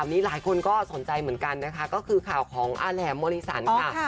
มีหลายคนก็สนใจเหมือนกันนะคะก็คือข่าวของอาแหลมมริสันค่ะ